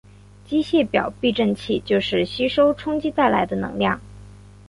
机械表避震器就是吸收冲击带来的能量。